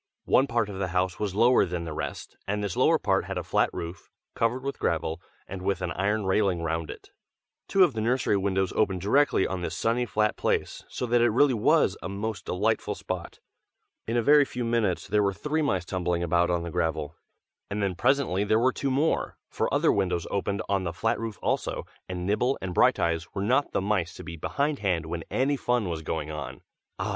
One part of the house was lower than the rest, and this lower part had a flat roof, covered with gravel, and with an iron railing round it. Two of the nursery windows opened directly on this sunny flat place, so that it really was a most delightful spot. In a very few minutes there were three mice tumbling about on the gravel, and then presently there were two more, for other windows opened on the flat roof also, and Nibble and Brighteyes were not the mice to be behindhand when any fun was going on. Ah!